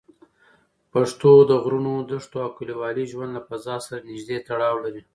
پښتو د غرونو، دښتو او کلیوالي ژوند له فضا سره نږدې تړاو لري.